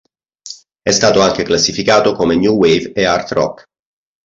È stato anche classificato come new wave e art rock.